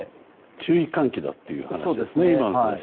注意喚起だという話でしたね。